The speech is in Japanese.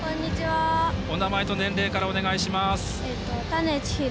お名前と年齢お願いします。